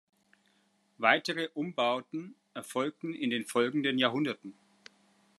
Weitere Umbauten erfolgten in den folgenden Jahrhunderten.